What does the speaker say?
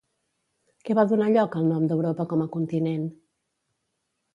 Què va donar lloc al nom d'Europa com a continent?